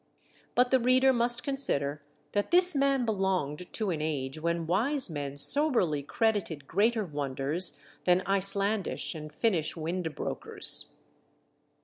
But the reader must consider that this man belonged to an age when wise men soberly credited greater wonders than Icelandish and Finnish wind brokers.